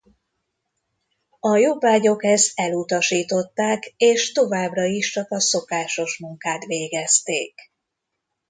A jobbágyok ezt elutasították és továbbra is csak a szokásos munkát végezték.